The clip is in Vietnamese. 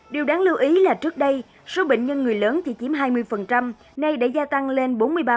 điều đáng lưu ý là trước đây số bệnh nhân người lớn chỉ chiếm hai mươi nay đã gia tăng lên bốn mươi ba